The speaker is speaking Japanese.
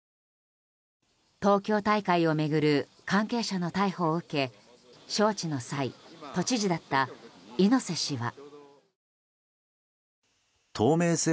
東京大会を巡る関係者の逮捕を受け招致の際都知事だった猪瀬氏は。